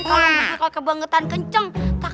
kalo ngebuk gebuk bangetan kenceng tak kasurnya nangis